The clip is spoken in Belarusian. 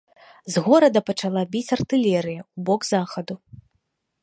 З горада пачала біць артылерыя ў бок захаду.